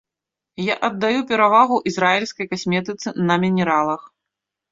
Я аддаю перавагу ізраільскай касметыцы на мінералах.